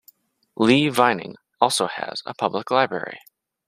Lee Vining also has a public library.